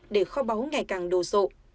để kho báo ngày càng đồ sộ